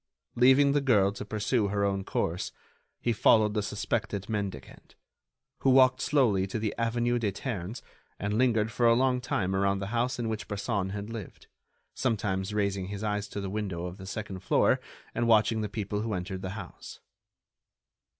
Leaving the girl to pursue her own course, he followed the suspected mendicant, who walked slowly to the avenue des Ternes and lingered for a long time around the house in which Bresson had lived, sometimes raising his eyes to the windows of the second floor and watching the people who entered the house.